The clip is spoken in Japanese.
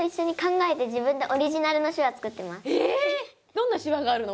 どんな手話があるの？